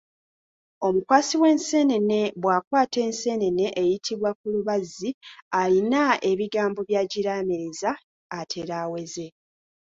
Omukwasi w’enseenene bw’akwata enseenene eyitibwa kulubazzi alina ebigambo by'agiraamiriza atere aweze.